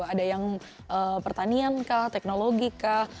ada yang pertanian kah teknologi kah